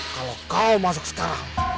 kalau kau masuk sekarang